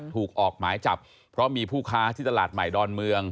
ออกหมายจับเพราะมีผู้ค้าที่ตลาดใหม่ดอนเมือง